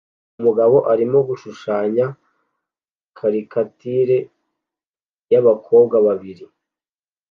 Umugabo arimo gushushanya karikatire yabakobwa babiri